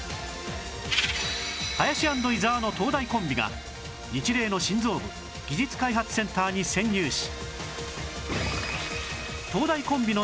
林＆伊沢の東大コンビがニチレイの心臓部技術開発センターに潜入し